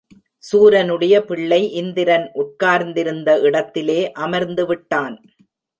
சூரனுடைய பிள்ளை இந்திரன் உட்கார்ந்திருந்த இடத்திலே அமர்ந்துவிட்டான்.